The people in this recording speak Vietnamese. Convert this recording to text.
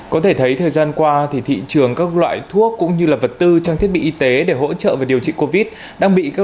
có thể thấy thời gian qua thì thị trường các loại thuốc cũng như là vật tư trang thiết bị y tế để hỗ trợ và điều trị covid đang bị các đối tượng